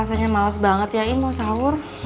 rasanya males banget ya ini mau sahur